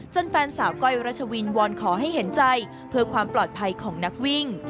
แฟนสาวก้อยรัชวินวอนขอให้เห็นใจเพื่อความปลอดภัยของนักวิ่ง